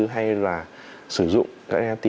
hay là sử dụng cái nft